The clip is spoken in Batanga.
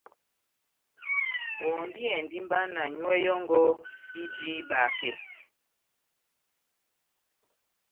Ohɔmbiyɛndi mba na nyúwɛ́ yɔ́ngɔ ijini ihibakɛ.